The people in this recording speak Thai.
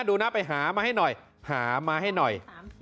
ดูนะไปหามาให้หน่อยหามาให้หน่อย